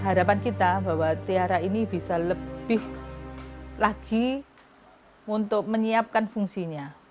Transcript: harapan kita bahwa tiara ini bisa lebih lagi untuk menyiapkan fungsinya